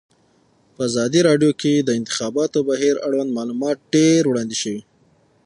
په ازادي راډیو کې د د انتخاباتو بهیر اړوند معلومات ډېر وړاندې شوي.